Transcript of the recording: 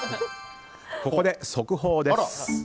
ここで速報です。